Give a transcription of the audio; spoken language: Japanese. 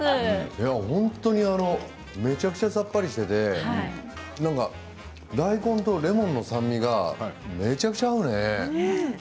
めちゃくちゃさっぱりしていて大根とレモンの酸味がめちゃくちゃ合うね。